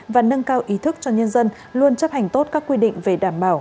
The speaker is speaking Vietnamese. và nâng cao ý thức cho nhân dân luôn chấp hành tốt các quy định về đảm bảo